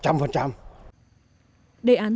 đề án sắp xếp